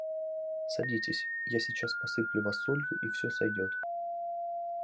Садитесь, я сейчас посыплю Вас солью и все сойдет.